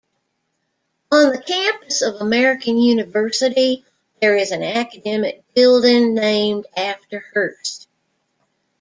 On the campus of American University, there is an academic building named after Hurst.